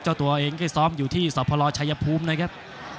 เจ้าตัวเองได้ซ้อมอยู่ที่สพลชายภูมินะครับ